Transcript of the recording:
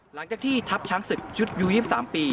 หลังจากที่ทัพช้างศึกชุดยู๒๓ปี